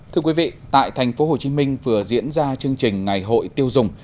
thưa quý vị tại tp hcm vừa diễn ra chương trình ngày hội tiêu dùng